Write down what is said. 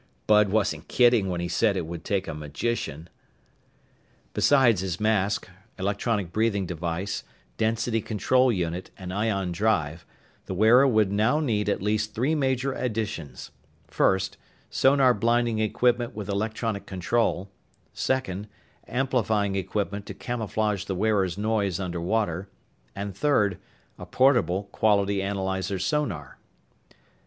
"Bud wasn't kidding when he said it would take a magician!" Besides his mask, electronic breathing device, density control unit, and ion drive, the wearer would now need at least three major additions first, sonar blinding equipment with electronic control; second, amplifying equipment to camouflage the wearer's noise under water; and, third, a portable quality analyzer sonar.